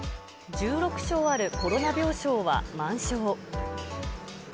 １６床あるコロナ病床は満床。